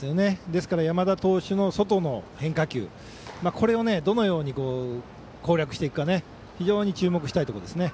ですから、山田投手の外の変化球これをどのように攻略していくか非常に注目したいところですね。